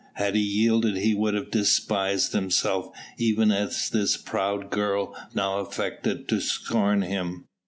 Had he yielded he would have despised himself even as this proud girl now affected to scorn him.